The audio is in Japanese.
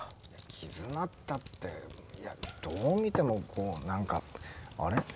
絆ったっていやどう見てもこう何かあれ？